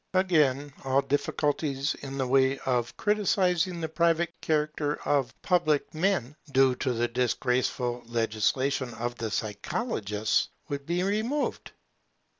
Again, all difficulties in the way of criticizing the private character of public men, due to the disgraceful legislation of the psychologists, would be removed.